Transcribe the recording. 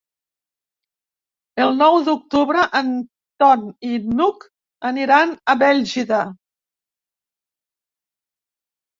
El nou d'octubre en Ton i n'Hug aniran a Bèlgida.